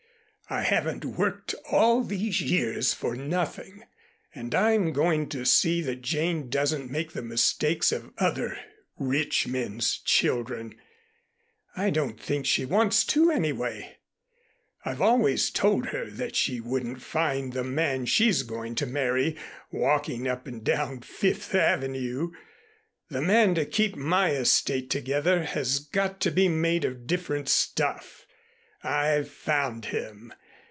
I haven't worked all these years for nothing, and I'm going to see that Jane doesn't make the mistakes of other rich men's children. I don't think she wants to anyway. I've always told her that she wouldn't find the man she's going to marry walking up and down Fifth Avenue. The man to keep my estate together has got to be made of different stuff. I've found him.